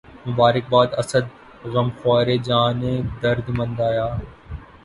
مبارک باد اسد، غمخوارِ جانِ درد مند آیا